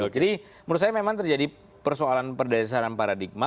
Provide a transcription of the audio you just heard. jadi menurut saya memang terjadi persoalan perdesaran paradigma